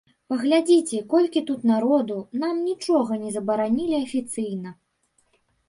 Паглядзіце, колькі тут народу, нам нічога не забаранілі афіцыйна.